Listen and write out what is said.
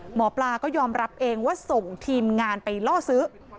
หมอปลาก็ยอมรับเองว่าส่งทีมงานไปล่อซื้อ